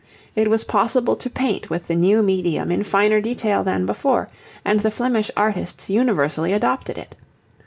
It was possible to paint with the new medium in finer detail than before, and the Flemish artists universally adopted it.